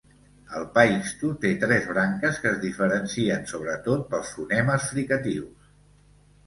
El Paixtu té tres branques que es diferencien sobretot pels fonemes fricatius.